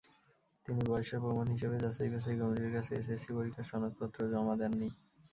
তিনি বয়সের প্রমাণ হিসেবে যাচাইবাছাই কমিটির কাছে এসএসসি পরীক্ষার সনদপত্র জমা দেননি।